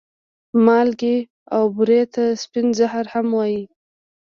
مالګې او بورې ته سپين زهر هم وايې